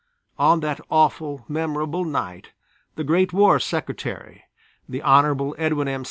On that awful memorable night the great War Secretary, the Honorable Edwin M.